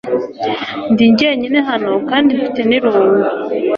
Ndi jyenyine hano kandi mfite n'irungu .